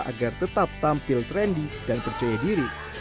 agar tetap tampil trendy dan percaya diri